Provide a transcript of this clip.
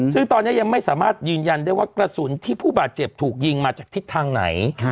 ซึ่งตอนนี้ยังไม่สามารถยืนยันได้ว่ากระสุนที่ผู้บาดเจ็บถูกยิงมาจากทิศทางไหน